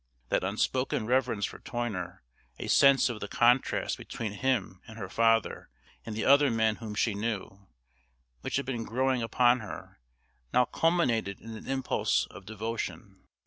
That unspoken reverence for Toyner, a sense of the contrast between him and her father and the other men whom she knew, which had been growing upon her, now culminated in an impulse of devotion.